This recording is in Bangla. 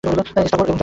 স্থাবর এবং জঙ্গম।